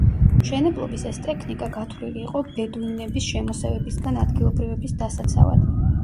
მშენებლობის ეს ტექნიკა გათვლილი იყო ბედუინების შემოსევებისგან ადგილობრივების დასაცავად.